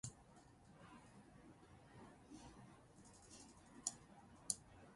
މީގެ އިތުރުން އޮޅުވެލިފުށީގައި ހުރި މިސްކިތްތައް މަރާމާތު ކުރުމާއި ގުޅޭގޮތުންވެސް މަޝްވަރާކުރައްވާފައިވެއެވެ.